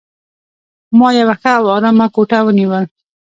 ما یوه ښه او آرامه کوټه ونیول.